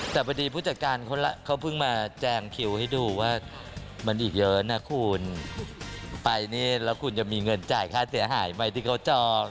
แต่พอดีผู้จัดการเขาเพิ่งมาแจงคิวให้ดูว่ามันอีกเยอะนะคุณไปนี่แล้วคุณจะมีเงินจ่ายค่าเสียหายใบที่เขาจอง